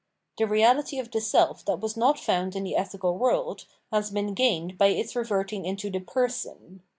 The reahty of the self that was not found in the ethical world, has been gained by its reverting into the " person."